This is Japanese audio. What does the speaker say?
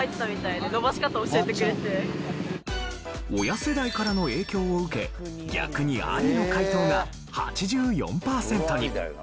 親世代からの影響を受け逆にアリの回答が８４パーセントに。